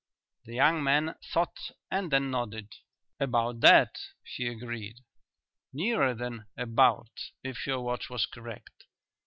The young man thought and then nodded. "About that," he agreed. "Nearer than 'about,' if your watch was correct.